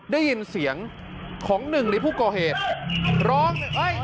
ได้ยินเสียงของหนึ่งในผู้ก่อเหตุร้อง